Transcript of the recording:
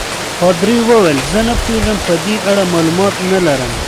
پادري وویل: زه نه پوهېږم، په دې اړه معلومات نه لرم.